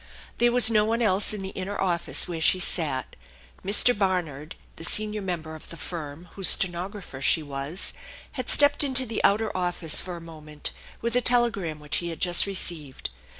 There was no one else in the inner office where she eat. Mr. Barnard, the senior member of the firm, whose ste nographer she was, had stepped into the outer office for a moment with a telegram which he had just received.